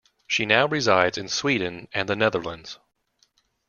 She now resides in Sweden and the Netherlands.